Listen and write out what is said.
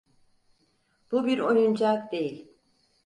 Bu bir oyuncak değil.